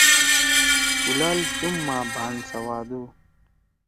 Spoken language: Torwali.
کُلال سُم ما بھان سوادُو۔